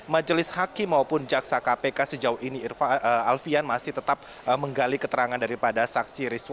majelis hakim maupun jaksa kpk sejauh ini alfian masih tetap menggali keterangan daripada saksi